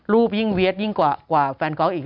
ยิ่งเวียดยิ่งกว่าแฟนกอล์อีก